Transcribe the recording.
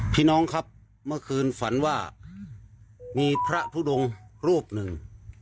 พี่น้องครับเมื่อคืนฝันว่ามีพระทุดงรูปหนึ่ง